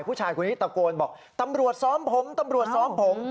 ผู้ชายคนนี้ตะโกนบอกตำรวจซ้อมผมตำรวจซ้อมผม